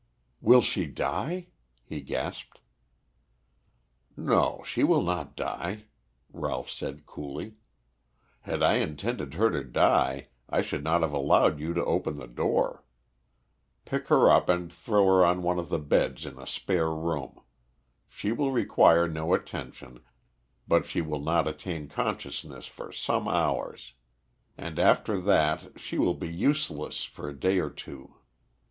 "Will she die?" he gasped. "No, she will not die," Ralph said coolly. "Had I intended her to die I should not have allowed you to open the door. Pick her up and throw her on one of the beds in a spare room. She will require no attention, but she will not attain consciousness for some hours. And, after that, she will be useless for a day or two.